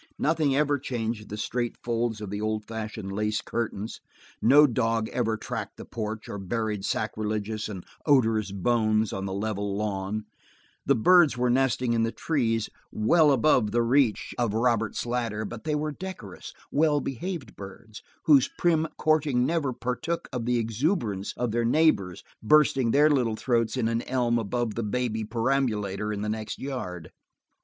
Nothing ever changed the straight folds of the old fashioned lace curtains; no dog ever tracked the porch, or buried sacrilegious and odorous bones on the level lawn; the birds were nesting in the trees, well above the reach of Robert's ladder, but they were decorous, well behaved birds, whose prim courting never partook of the exuberance of their neighbors', bursting their little throats in an elm above the baby perambulator in the next yard.